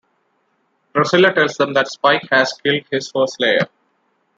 Drusilla tells them that Spike has killed his first Slayer.